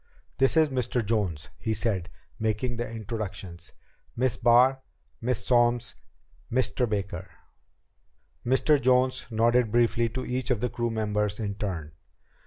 "This is Mr. Jones," he said, making the introductions. "Miss Barr, Miss Solms Mr. Baker." Mr. Jones nodded briefly to each of the crew members in turn.